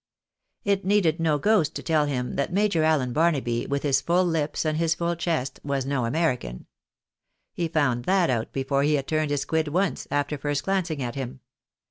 It needed no ghost to tell him that Major Allen Barnaby, with his full lips, and his full chest, was no American ; he found that out before he had turned his quid once, after first glancing at him.